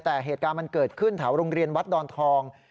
แต่เหตุการณ์มันเกิดขึ้นแถวโรงเรียนวัดดอนทอง